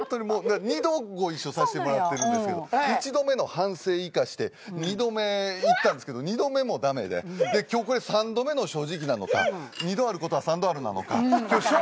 二度ご一緒させてもらってるんですけど一度目の反省生かして二度目行ったんですけど二度目も駄目で今日これ三度目の正直なのか二度あることは三度あるなのか今日勝負なんですよ。